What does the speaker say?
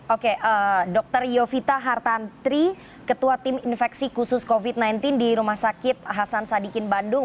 oke dr yovita hartantri ketua tim infeksi khusus covid sembilan belas di rumah sakit hasan sadikin bandung